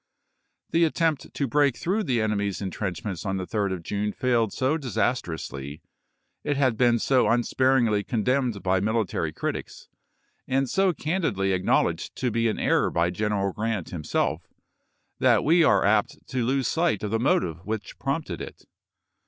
The attempt to break through the enemy's in 1864. trenchments on the 3d of June failed so disas trously, it has been so unsparingly condemned by military critics, and so candidly acknowledged to be an error by Greneral Grant himself, that we are apt to lose sight of the motive which prompted it.